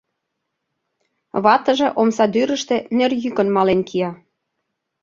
Ватыже омсадӱрыштӧ нер йӱкын мален кия.